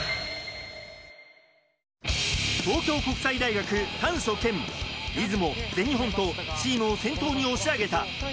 東京国際大学・丹所健、出雲、全日本とチームを先頭に押し上げた。